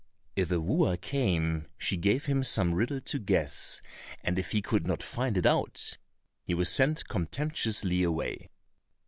If a wooer came she gave him some riddle to guess, and if he could not find it out, he was sent contemptuously away.